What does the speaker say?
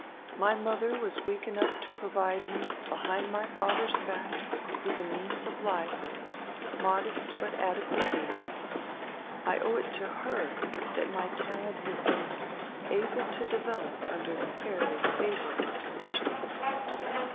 My mother was weak enough to provide me behind my father's back with the means of life, modest but adequate means. I owe it to her that my talent has been able to develop under fairly favourable conditions."